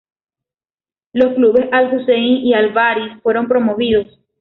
Los clubes Al-Hussein y Al-Bahri fueron promovidos.